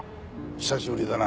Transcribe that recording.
久しぶりだな。